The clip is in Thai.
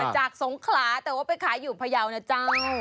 สงขลาแต่ว่าไปขายอยู่พยาวนะเจ้า